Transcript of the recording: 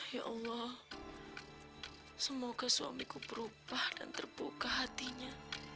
ya allah semoga suamiku berubah dan terbuka hatinya